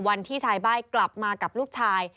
วันที่ชายใบ้กลับมากับลูกชาย